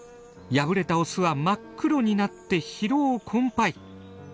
敗れたオスは真っ黒になって疲労困ぱい。